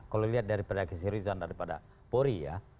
kalau dilihat dari keseriusan dari pori ya